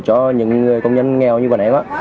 cho những người công nhân nghèo như quản ác á